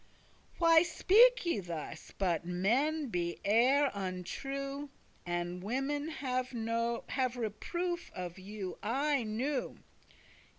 Why speak ye thus? but men be e'er untrue, And women have reproof of you aye new.